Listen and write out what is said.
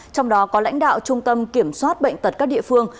trong đó có lãnh đạo trung tâm kiểm soát bệnh tật các địa phương